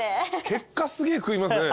結果すげえ食いますね。